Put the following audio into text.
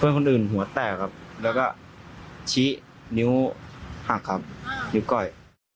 คนอื่นหัวแตกครับแล้วก็ชี้นิ้วหักครับนิ้วก้อย